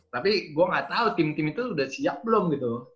tapi gue gak tau tim tim itu udah siap belum gitu